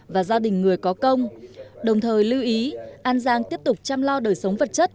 và gia đình người có công đồng thời lưu ý an giang tiếp tục chăm lo đời sống vật chất